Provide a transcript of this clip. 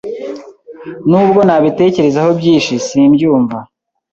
Nubwo nabitekerezaho byinshi, simbyumva.